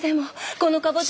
このかぼちゃ。